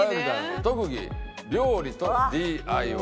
「特技料理とＤＩＹ」。